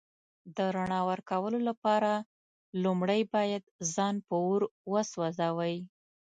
د رڼا ورکولو لپاره لومړی باید ځان په اور وسوځوئ.